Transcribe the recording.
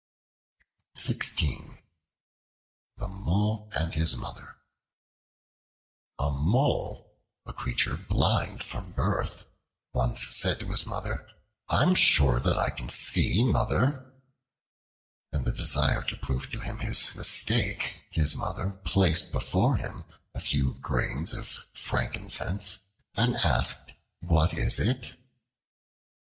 The Mole and His Mother A MOLE, a creature blind from birth, once said to his Mother: "I am sure than I can see, Mother!" In the desire to prove to him his mistake, his Mother placed before him a few grains of frankincense, and asked, "What is it?"